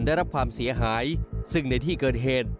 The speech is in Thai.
ได้รับความเสียหายซึ่งในที่เกิดเหตุ